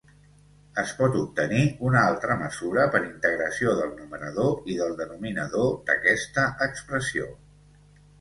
Es pot obtenir una altra mesura per integració del numerador i del denominador d'aquesta expressió.